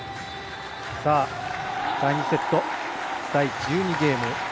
第２セット、第１２ゲーム。